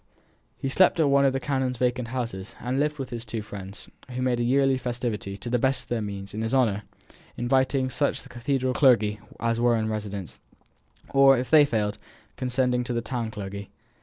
He slept at one of the canon's vacant houses, and lived with his two friends, who made a yearly festivity, to the best of their means, in his honour, inviting such of the cathedral clergy as were in residence: or, if they failed, condescending to the town clergy.